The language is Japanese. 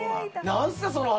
何すかその話。